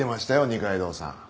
二階堂さん。